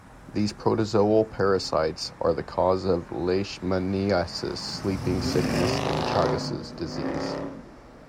These protozoal parasites are the cause of leishmaniasis, sleeping sickness and Chagas' disease.